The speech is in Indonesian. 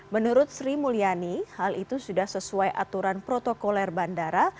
menurut sri mulyani hal itu sudah sesuai aturan protokoler bandara